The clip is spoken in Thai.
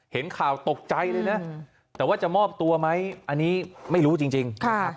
เห็นข่าวตกใจเลยนะแต่ว่าจะมอบตัวไหมอันนี้ไม่รู้จริง